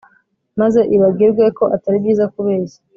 maze ibagirwe ko Atari byiza kubeshya